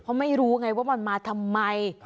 เพราะไม่รู้ไงว่ามันมาทำไม